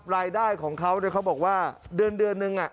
รายได้ของเขาเขาบอกว่าเดือนนึง